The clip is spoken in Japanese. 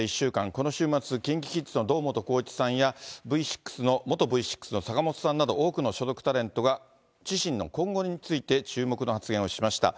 この週末、ＫｉｎＫｉＫｉｄｓの堂本光一さんやＶ６の、元Ｖ６の坂本さんなど、多くの所属タレントが、自身の今後について注目の発言をしました。